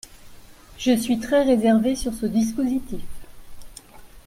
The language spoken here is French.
Je suis très réservée sur ce dispositif.